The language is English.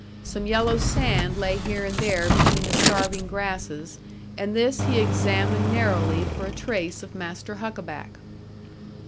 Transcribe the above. Some yellow sand lay here and there between the starving grasses, and this he examined narrowly for a trace of Master Huckaback.